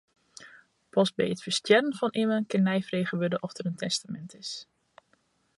Pas by it ferstjerren fan immen kin neifrege wurde oft der in testamint is.